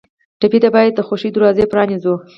ټپي ته باید د خوښیو دروازې پرانیزو.